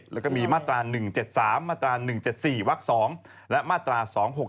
แล้วก็มีมาตรา๑๗๓มาตรา๑๗๔วัก๒และมาตรา๒๖๖